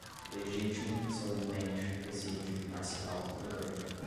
legítima, solenemente, reside, marcial, orgânica